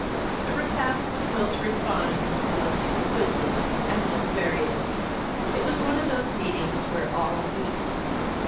The repast was most refined, most exquisite, and most various. It was one of those meetings where all eat.